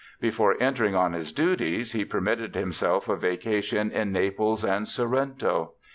Before entering on his duties he permitted himself a vacation in Naples and Sorrento.